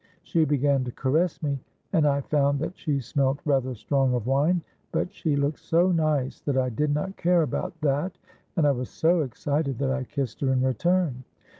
—She began to caress me, and I found that she smelt rather strong of wine; but she looked so nice that I did not care about that; and I was so excited that I kissed her in return.